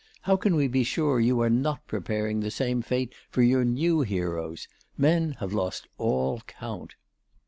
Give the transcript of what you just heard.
How can we be sure you are not preparing the same fate for your new heroes?... Men have lost all count."